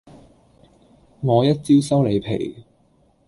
我一招收你皮